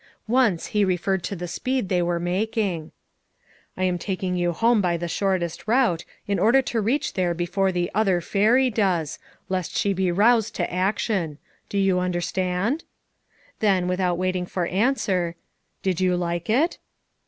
Once he referred to the speed they were making. "I am taking you home by the shortest route, in order to reach there before the ' other fairy' does, lest she be roused to action. Do you understand?" Then, without waiting for answer, "Did you like it?"